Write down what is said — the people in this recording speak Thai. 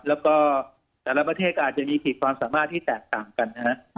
แล้วก็แต่ละประเทศก็อาจจะมีขีดความสามารถที่แตกต่างกันนะฮะ